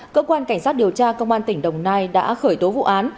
cơ quan cảnh sát điều tra công an tỉnh đồng nai đã khởi tố vụ án